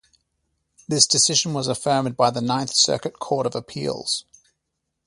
This decision was affirmed by the Ninth Circuit Court of Appeals.